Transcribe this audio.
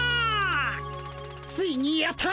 ついにやった。